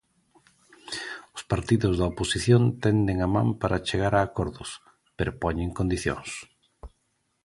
Os partidos da oposición tenden a man para chegar a acordos, pero poñen condicións.